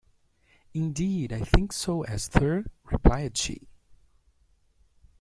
"Indeed, I think so, Esther," replied she.